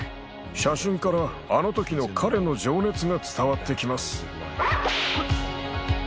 写真からあの時の彼の情熱が伝わってきます。